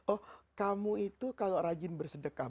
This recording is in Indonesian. oh kamu itu kalau rajin bersedekah